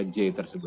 brigadir j tersebut